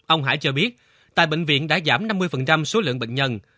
ông hải cho biết tại bệnh viện đã giảm năm mươi số lượng bệnh nhân